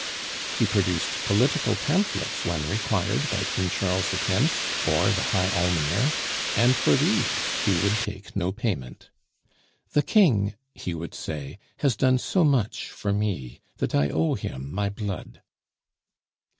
He produced political pamphlets when required by King Charles X. or the High Almoner, and for these he would take no payment. "The King," he would say, "has done so much for me, that I owe him my blood."